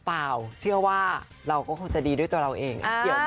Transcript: เปล่าเชื่อว่าเราก็คงจะดีด้วยตัวเราเอง